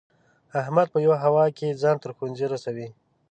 احمد په یوه هوا کې ځان تر ښوونځي رسوي.